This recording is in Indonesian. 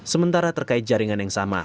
sementara terkait jaringan yang sama